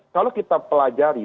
kalau kita pelajari